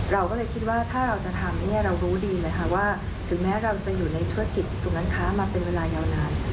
เราก็เลยคิดว่าถ้าเราจะทำเนี่ยเรารู้ดีเลยค่ะว่าถึงแม้เราจะอยู่ในธุรกิจศูนย์ร้านค้ามาเป็นเวลายาวนาน